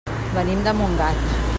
Venim de Montgat.